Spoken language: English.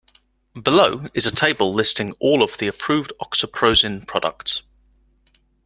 Below is a table listing all of the approved oxaprozin products.